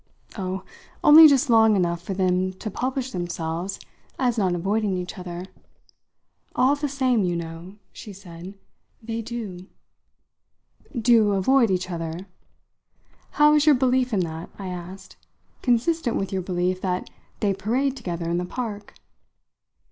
"Oh, only just long enough for them to publish themselves as not avoiding each other. All the same, you know," she said, "they do." "Do avoid each other? How is your belief in that," I asked, "consistent with your belief that they parade together in the park?"